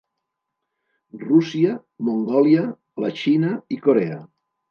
Rússia, Mongòlia, la Xina i Corea.